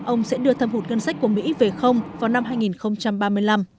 ông sẽ đưa thâm hụt ngân sách của mỹ về không vào năm hai nghìn ba mươi năm